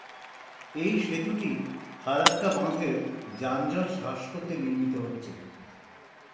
এই সেতুটি ফারাক্কা বাঁধের যানজট হ্রাস করতে নির্মিত হচ্ছে।